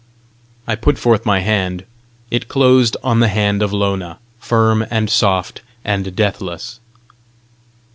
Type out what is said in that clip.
I put forth my hand: it closed on the hand of Lona, firm and soft and deathless.